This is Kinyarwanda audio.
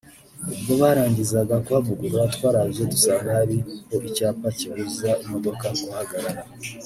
ubwo barangizaga kuhavugurura twaraje dusanga hariho icyapa kibuza imodoka kuhahagarara